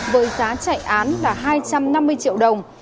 với giá chạy án là hai trăm năm mươi triệu đồng